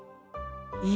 え